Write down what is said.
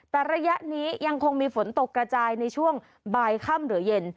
แต่ระยะนี้ยังคงมีฝนตกกระจายในช่วงบ่ายค่ำหรือเย็น